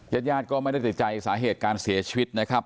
ญาติยาดก็ไม่ได้ติดใจสาเหตุการณ์ของเขานะครับ